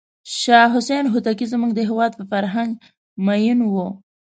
شاه حسین هوتکی زموږ د هېواد په فرهنګ مینو و.